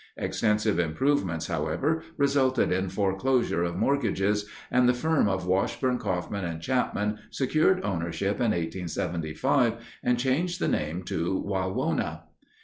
Extensive improvements, however, resulted in foreclosure of mortgages, and the firm of Washburn, Coffman, and Chapman secured ownership in 1875 and changed the name to "Wawona."